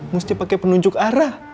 mesti pakai penunjuk arah